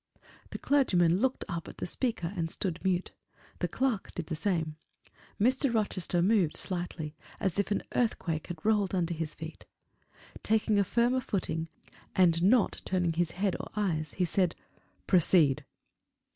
The clergyman looked up at the speaker and stood mute: the clerk did the same; Mr. Rochester moved slightly, as if an earthquake had rolled under his feet; taking a firmer footing, and not turning his head or eyes, he said, "Proceed!"